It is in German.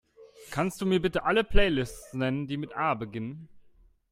Kannst Du mir bitte alle Playlists nennen, die mit A beginnen?